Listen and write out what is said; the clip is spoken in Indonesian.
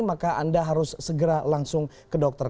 maka anda harus segera langsung ke dokter